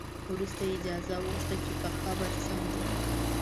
وروسته یې اجازه وغوښته چې په قبر کې څملي.